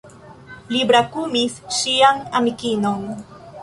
Li brakumis ŝian amikinon.